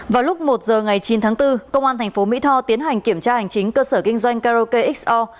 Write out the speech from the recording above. vào lúc một giờ ngày chín tháng bốn công an tp mỹ tho tiến hành kiểm tra hành chính cơ sở kinh doanh karaoke xo